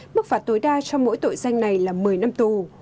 mức phạt tối đa cho mỗi tội danh này là một mươi năm tù